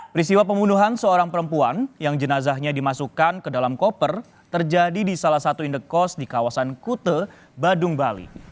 peristiwa pembunuhan seorang perempuan yang jenazahnya dimasukkan ke dalam koper terjadi di salah satu indekos di kawasan kute badung bali